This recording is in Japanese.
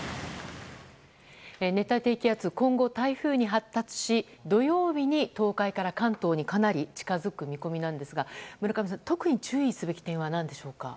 熱帯低気圧今後、台風に発達し土曜日に東海から関東にかなり近づく見込みなんですが村上さん、特に注意するべき点は何でしょうか。